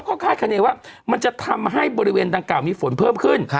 ก็คาดคณีว่ามันจะทำให้บริเวณดังกล่าวมีฝนเพิ่มขึ้น